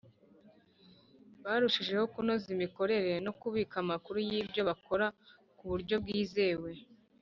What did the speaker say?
Barusheho kunoza imikorere no kubika amakuru y ibyo bakora ku buryo bwizewe